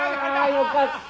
よかった！